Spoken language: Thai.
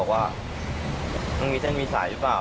ว่ามันมีเส้นมีสายหรือเปล่า